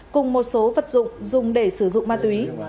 cùng một số vật dụng dùng để sử dụng ma túy